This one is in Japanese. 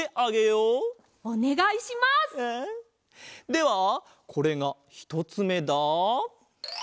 ではこれがひとつめだ。